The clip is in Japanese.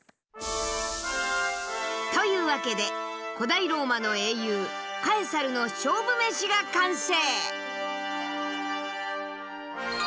というわけで古代ローマの英雄カエサルの勝負メシが完成。